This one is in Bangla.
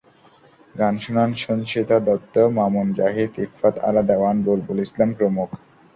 গান শোনান সঞ্চিতা দত্ত, মামুন জাহিদ, ইফফাত আরা দেওয়ান, বুলবুল ইসলাম প্রমুখ।